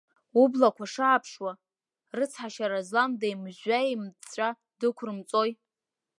Ублақәа шааԥшуа, рыцҳашьара злам деимыжәжәа-еимыҵәҵәа дықәрымҵои!